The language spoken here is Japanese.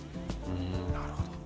うんなるほど。